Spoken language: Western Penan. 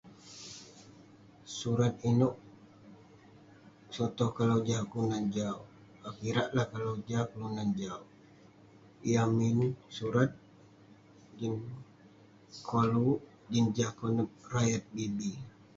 Surat inouk, sotoh kalau jah kelunan jau, kauk kirak lah kalau jah kelunan jau, yah min surat jin koluk, jin jah konep rayat bi-bi.